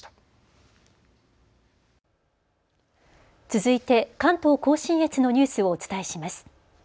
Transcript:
続いて関東甲信越のニュースをお伝えします。